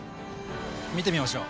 見てみましょう！